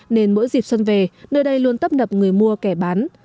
nên mỗi dịp xuân về nơi đây luôn tấp nập người mua kẻ bán